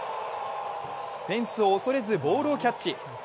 フェンスを恐れずボールをキャッチ。